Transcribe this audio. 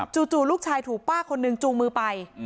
จู่ลูกชายถูกป้าคนนึงจูงมือไป